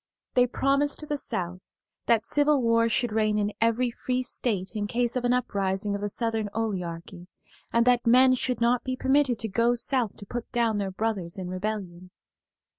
They promised the South that civil war should reign in every free state in case of an uprising of the Southern oligarchy, and that men should not be permitted to go South to put down their brothers in rebellion.